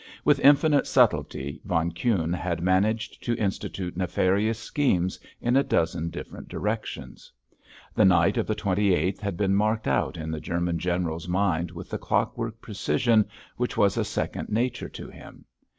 With infinite subtlety von Kuhne had managed to institute nefarious schemes in a dozen different directions. The night of the twenty eighth had been marked out in the German general's mind with the clockwork precision which was a second nature to him.